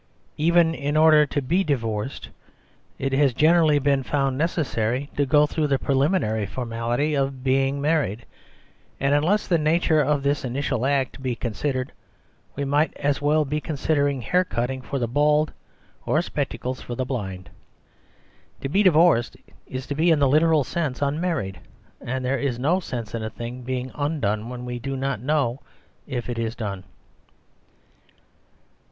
Even in order to be divorced it has. generally been found necessary tcf^ go through the preliminary formality of married; and unless the nature of this in^l act be considered, we might as well be discuss ing haircutting for the bald or spectacles for the blind. To be divorced is to be in the lit eral sense unmarried ; and there is no sense in a thing being undone when we do not know if it is done.